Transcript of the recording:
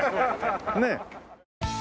ねえ？